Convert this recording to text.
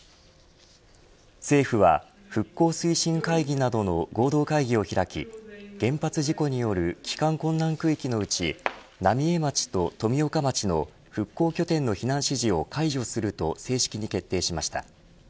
政府は復興推進会議などの合同会議を開き原発事故による帰還困難区域のうち浪江町と富岡町の復興拠点の避難指示を解除すると正式に決定しました。